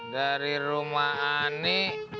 dari rumah ani